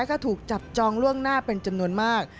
ก็ถูกจับจองล่วงหน้าเป็นจำนวนมาก